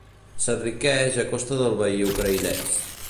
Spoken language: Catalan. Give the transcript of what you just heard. S'enriqueix a costa del veí ucraïnès.